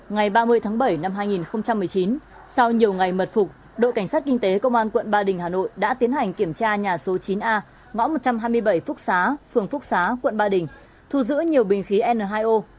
ngày ba mươi tháng bảy năm hai nghìn một mươi chín sau nhiều ngày mật phục đội cảnh sát kinh tế công an quận ba đình hà nội đã tiến hành kiểm tra nhà số chín a ngõ một trăm hai mươi bảy phúc xá phường phúc xá quận ba đình thu giữ nhiều bình khí n hai o